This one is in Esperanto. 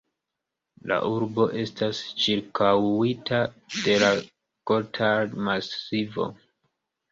La urbo estas ĉirkaŭita de la Gotard-Masivo.